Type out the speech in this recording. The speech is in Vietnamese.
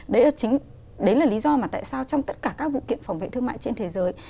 đấy là lý do tại sao trong tất cả các vụ kiện phòng vệ thương mại trên thế giới